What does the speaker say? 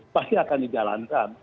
pasti akan dijalankan